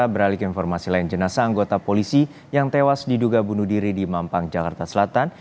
beralik informasi lain jenasa anggota polisi yang tewas diduga bunuh diri di mampang jakarta selatan